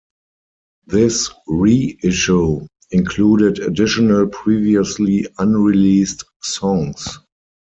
This re-issue included additional previously unreleased songs.